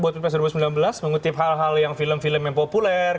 buat pilpres dua ribu sembilan belas mengutip hal hal yang film film yang populer